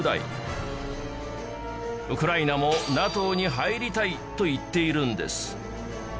ウクライナも ＮＡＴＯ に入りたいと言っているんです